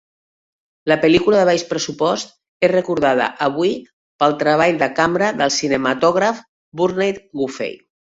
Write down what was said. La pel·lícula de baix pressupost és recordada avui per al treball de cambra del cinematògraf Burnett Guffey.